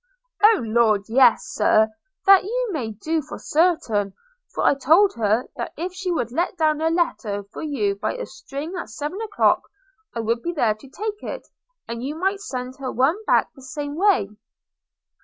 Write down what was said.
'O Lord! yes, Sir, that you may do for certain; for I told her that if she would let down a letter for you by a string at seven o'clock, I would be there to take it; and you might send her one back the same way.'